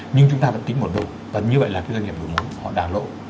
nhưng chúng ta vẫn tính một đô và như vậy là cái doanh nghiệp đối mối họ đảm lỗ